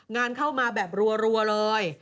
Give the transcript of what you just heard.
งานเข้ามาแบบรัวเลย